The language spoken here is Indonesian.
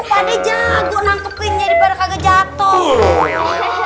pada jago nantukinnya daripada kagak jatuh